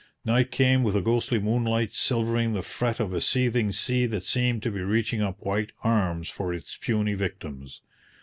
Night came with a ghostly moonlight silvering the fret of a seething sea that seemed to be reaching up white arms for its puny victims.